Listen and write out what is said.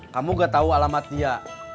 kamu gak tahu alamat dia